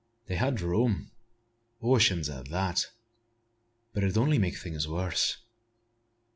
They had rum, oceans o' that, but it 'ud only make things worse.